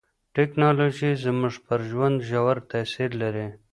ټکنالوژي زموږ پر ژوند ژور تاثیر لري.